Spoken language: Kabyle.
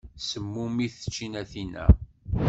Semmumit tčinatin-a.